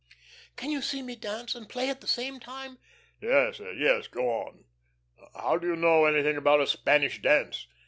"Can you see me dance, and play at the same time?" "Yes, yes. Go on. How do you know anything about a Spanish dance?"